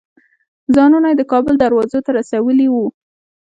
ځانونه یې د کابل دروازو ته رسولي وو.